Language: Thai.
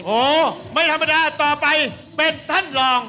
โอ้ไม่ธรรมดาต่อไปเป็นท่านรอง